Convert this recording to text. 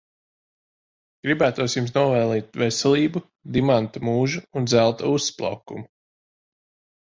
Gribētos jums novēlēt veselību, dimanta mūžu un zelta uzplaukumu.